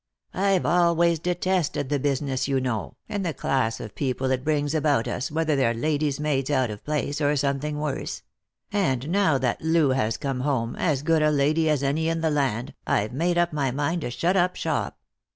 I've always detested the business, you know, and the class of people it brings about us, whether they're lady's maids out of place, or something worse ; and now that Loo has come home, as good a lady as any in the land, I've made up my mind to shut up shop.